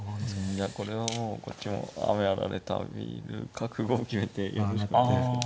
いやこれはもうこっちも雨あられと浴びる覚悟を決めてやるしかないですね。